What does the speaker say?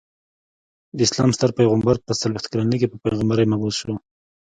د اسلام ستر پيغمبر په څلويښت کلني کي په پيغمبری مبعوث سو.